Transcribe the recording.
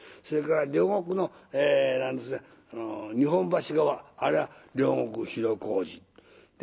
それから両国の日本橋側あれは両国広小路。